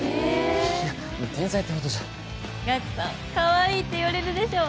いや天才ってほどじゃガクさんかわいいって言われるでしょ？